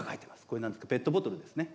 これ何ですかペットボトルですね。